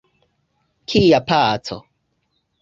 Kia paco?